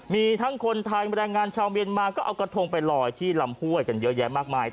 มีทั้งคนไทยแรงงานชาวเมียนมาก็เอากระทงไปลอยที่ลำห้วยกันเยอะแยะมากมาย